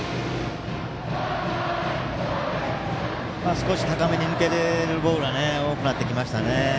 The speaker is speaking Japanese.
少し高めに抜けるボールが多くなってきましたね。